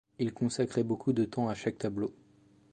Il consacrait beaucoup de temps à chaque tableau.